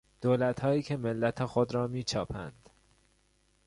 دولتهایی که ملت خود را میچاپند